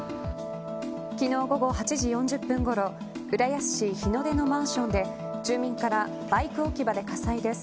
昨日午後８時４０分ごろ浦安市日の出のマンションで住民からバイク置き場で火災です